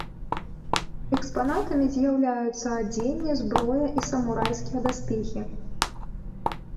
Экспанатамі з'яўляюцца адзенне, зброя і самурайскія даспехі.